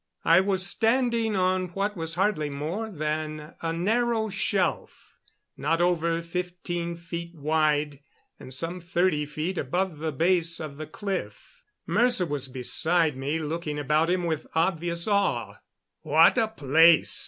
I was standing on what was hardly more that a narrow shelf, not over fifteen feet wide and some thirty feet above the base of the cliff. Mercer was beside me, looking about him with obvious awe. "What a place!"